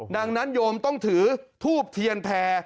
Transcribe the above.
ดังนั้นโยมต้องถือทูบเทียนแพร่